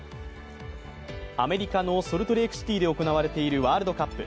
アメリカのソルトレークシティーで行われているワールドカップ。